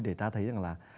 để ta thấy rằng là